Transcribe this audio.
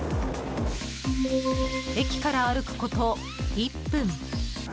駅から歩くこと１分。